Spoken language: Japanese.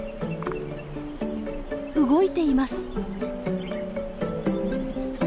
動いています。